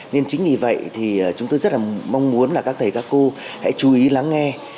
nên chính vì vậy thì chúng tôi rất là mong muốn là các thầy các cô hãy chú ý lắng nghe